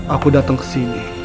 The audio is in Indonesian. aku datang kesini